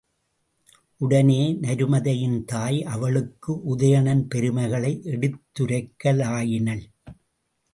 உடனே நருமதையின் தாய் அவளுக்கு உதயணன் பெருமைகளை எடுத்துரைக்கலாயினள்.